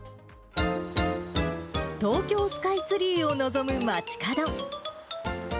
東京スカイツリーを望む街角。